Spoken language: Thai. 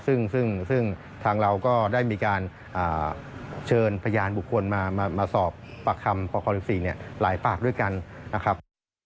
ซึ่งทางเราก็ได้มีการเชิญพยานบุคคลมาสอบปากคำปค๑๔หลายปากด้วยกันนะครับ